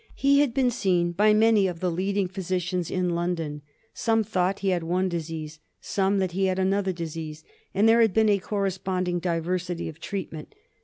He had been seen by many of the leading physicians in London, Some thought he had one disease, some that he had another disease, and there had been a corresponding diversity of treatment.